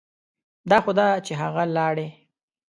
دا خو ده چې هغه لاړې.